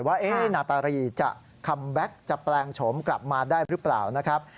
ว่านาตารีจะคัมแบ็คจะแปลงโฉมกลับมาได้หรือเปล่านะครับ